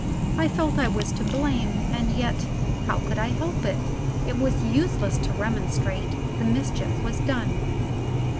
I felt I was to blame and yet, how could I help it? It was useless to remonstrate: the mischief was done.